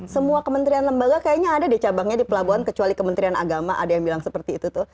semua kementerian lembaga kayaknya ada deh cabangnya di pelabuhan kecuali kementerian agama ada yang bilang seperti itu tuh